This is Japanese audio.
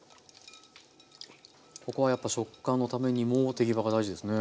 ここはやっぱり食感のためにも手際が大事ですね。